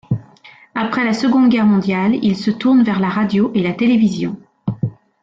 Après la Seconde Guerre mondiale, il se tourne vers la radio et la télévision.